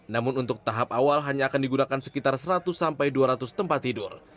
namun untuk tahap awal hanya akan digunakan sekitar seratus sampai dua ratus tempat tidur